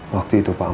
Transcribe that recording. waktu itu pak amar